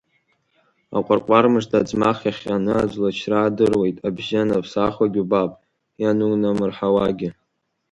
Аҟәарҟәар мыжда аӡмах иахьҟьаны аӡлачра адыруеит, абжьы анаԥсахуагь убап, ианунамырҳауагьы.